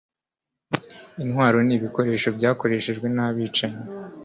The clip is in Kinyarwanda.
intwaro n ibikoresho byakoreshejwe n abicanyi